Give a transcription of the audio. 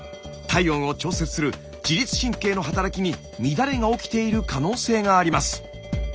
体温を調節する自律神経の働きに乱れが起きている可能性があります。